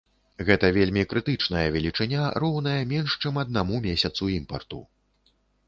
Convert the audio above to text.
Гэта вельмі крытычная велічыня, роўная менш чым аднаму месяцу імпарту.